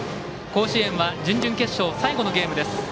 甲子園は準々決勝最後のゲームです。